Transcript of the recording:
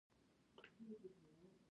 بیجک د مالونو یو لیست ته ویل کیږي.